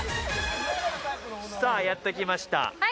さぁ、やってきました。